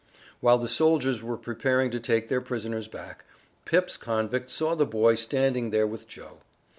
While the soldiers were preparing to take their prisoners back, Pip's convict saw the boy standing there with Joe.